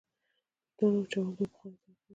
د توتانو وچول یوه پخوانۍ طریقه ده